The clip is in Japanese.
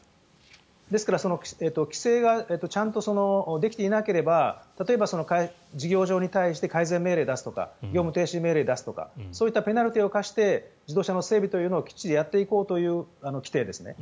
ですから規制がちゃんとできていなければ例えば事業所に対して改善命令を出すとか業務停止命令を出すとかそういったペナルティーを科して自動車の整備をきっちりやっていこうという規定です。